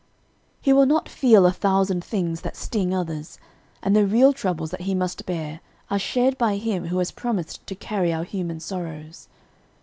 He will not feel a thousand things that sting others; and the real troubles that he must bear are shared by Him who has promised to carry our human sorrows.